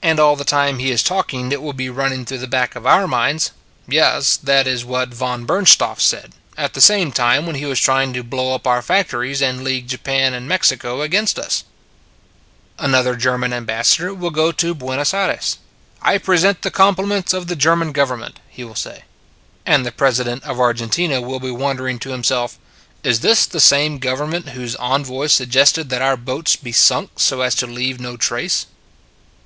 And all the time he is talking it will be running through the back of our minds: Yes, that is what Von Bernstorff said, at the same time when he was trying to blow up our factories, and league Japan and Mexico against us." Another German ambassador will go to Buenos Aires. " I present the compli i8 It s a Good Old World ments of the German government," he will say. And the President of Argentina will be wondering to himself: " Is this the same government whose envoy suggested that our boats be sunk so as to leave no trace